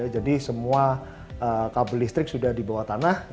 jadi semua kabel listrik sudah di bawah tanah